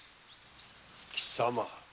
貴様